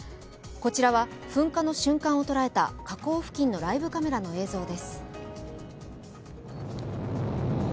こちらは噴火の瞬間を捉えた火口付近のライブカメラの映像です。